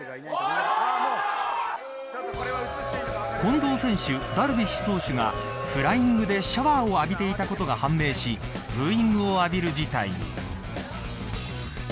近藤選手、ダルビッシュ投手がフライングでシャワーを浴びていたことが判明しブーイングを浴びる事態に。